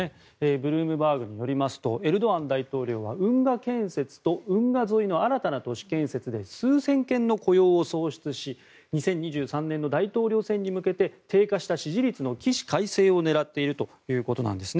ブルームバーグによりますとエルドアン大統領は運河建設と運河沿いの新たな都市建設で数千件の雇用を創出し２０２３年の大統領選に向けて低下した支持率の起死回生を狙っているということなんですね。